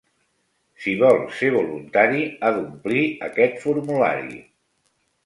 Si vol ser voluntari, ha d'omplir aquest formulari.